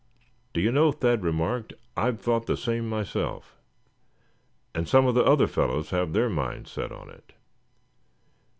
"Do you know," Thad remarked, "I've thought the same myself, and some of the other fellows have their minds set on it.